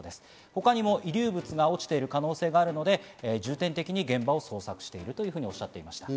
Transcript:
他にも遺留物が落ちている可能性があるので重点的に現場を捜索しているというふうにおっしゃっていました。